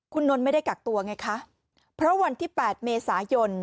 คุณนนท์ไม่ได้กักตัวไงคะเพราะวันที่๘เมษายน